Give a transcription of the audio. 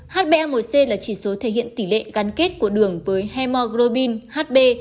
hba một c là chỉ số thể hiện tỷ lệ gắn kết của đường với hemoglobin hb